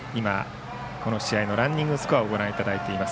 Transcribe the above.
この試合のランニングスコアをご覧いただいています。